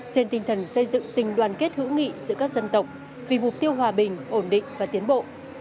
trên tinh thần xây dựng tình đoàn kết hữu nghị giữa các dân tộc vì mục tiêu hòa bình ổn định và tiến bộ